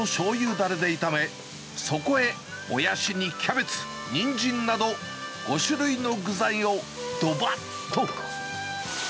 だれで炒め、そこへモヤシにキャベツ、にんじんなど５種類の具材をどばっと。